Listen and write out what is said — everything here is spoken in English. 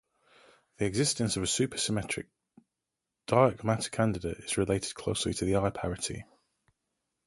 The existence of a supersymmetric dark matter candidate is related closely to R-parity.